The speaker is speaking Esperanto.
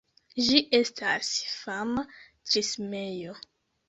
Ĝi estas fama trismejo.